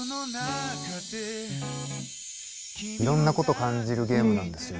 いろんなことを感じるゲームなんですよ。